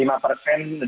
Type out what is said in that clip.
ini bukan gejala utama